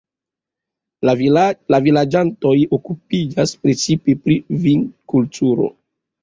La vilaĝanoj okupiĝas precipe pri vinkulturo.